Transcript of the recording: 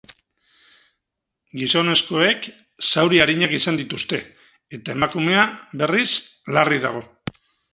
Gizonezkoek zauri arinak izan dituzte eta emakumea, berriz, larri dago.